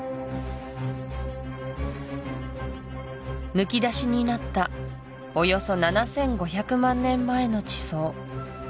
むき出しになったおよそ７５００万年前の地層